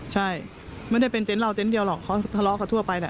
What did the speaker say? ใช่ไม่ได้เป็นเต็นต์เราเต็นต์เดียวหรอกเขาทะเลาะกันทั่วไปแหละ